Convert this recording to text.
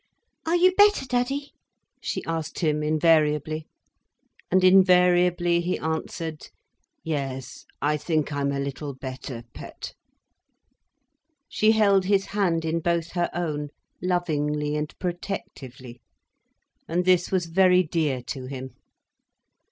"Are you better, Daddie?" she asked him invariably. And invariably he answered: "Yes, I think I'm a little better, pet." She held his hand in both her own, lovingly and protectively. And this was very dear to him.